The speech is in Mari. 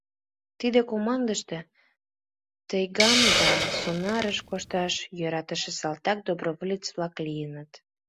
Тиде командыште тайгам да сонарыш кошташ йӧратыше салтак-доброволец-влак лийыныт.